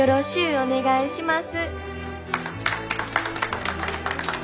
お願いします。